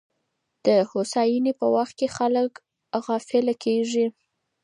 د هوساینې په وخت کي خلګ غافله کیږي.